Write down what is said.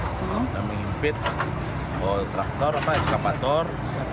kita mengimpit traktor atau eskavator